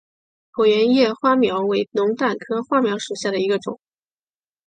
椭圆叶花锚为龙胆科花锚属下的一个种。